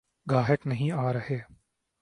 گاہک نہیں آرہے۔